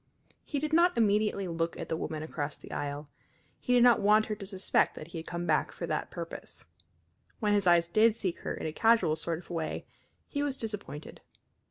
He did not immediately look at the woman across the aisle. He did not want her to suspect that he had come back for that purpose. When his eyes did seek her in a casual sort of way he was disappointed.